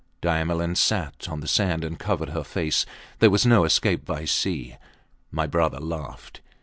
Diamelen sat on the sand and covered her face. There was no escape by sea. My brother laughed.